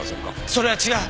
それは違う！